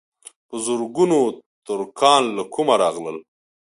په زرګونو ترکان له کومه راغلل.